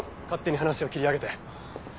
勝手に話を切り上げて。